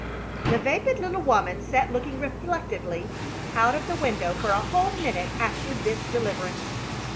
The vapid little woman sat looking reflectively out of the window for a whole minute after this deliverance.